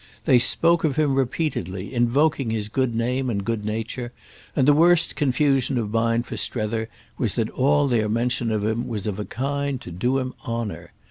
They spoke of him repeatedly, invoking his good name and good nature, and the worst confusion of mind for Strether was that all their mention of him was of a kind to do him honour.